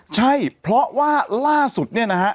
ใช่เพราะว่าล่าสุดเนี่ยนะฮะ